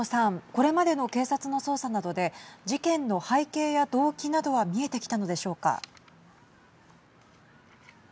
これまでの警察の捜査などで事件の背景や動機などは見えてきたのでしょうか。